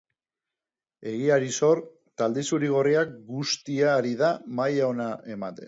Egiari zor, talde zuri-gorria guztia ari da maila ona ematen.